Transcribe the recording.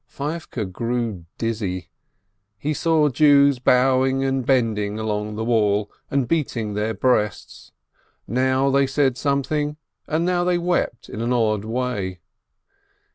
Feivke grew dizzy. He saw Jews bow ing and bending along the wall and beating their breasts — now they said something, and now they wept in an odd way.